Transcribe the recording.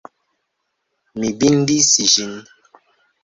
Mi bindis ĝin!